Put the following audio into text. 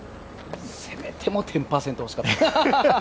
せめても１０％欲しかった。